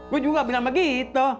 gue juga bilang begitu